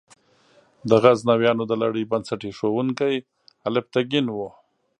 د غزنویانو د لړۍ بنسټ ایښودونکی الپتکین دی.